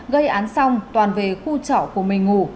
gây án xong toàn về khu trọ của mình ngủ